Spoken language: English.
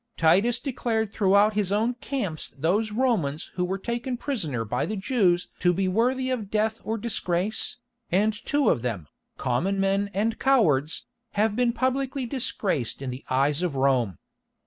Titus declared throughout his own camps those Romans who were taken prisoner by the Jews to be worthy of death or disgrace, and two of them, common men and cowards, have been publicly disgraced in the eyes of Rome.